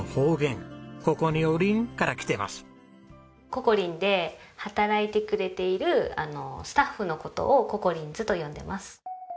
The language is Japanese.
ｃｏｃｏ−Ｒｉｎで働いてくれているスタッフの事を「ココリンズ」と呼んでます。